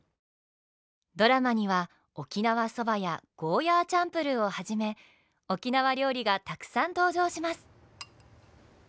ドラマには沖縄そばやゴーヤーチャンプルーをはじめ沖縄料理がたくさん登場します。